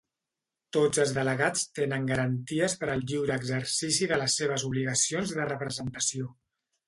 Tots els delegats tenen garanties per al lliure exercici de les seves obligacions de representació.